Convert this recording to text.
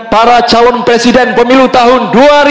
para calon presiden pemilu tahun dua ribu dua puluh